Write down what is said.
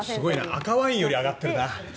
赤ワインより上がってるな。